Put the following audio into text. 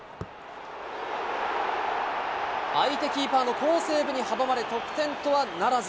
相手キーパーの好セーブに阻まれ、得点とはならず。